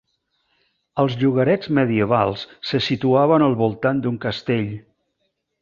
Els llogarets medievals se situaven al voltant d'un castell.